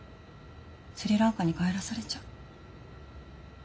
スリランカに帰らされちゃう。